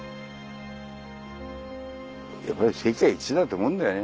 やっぱり世界一だと思うんだよね。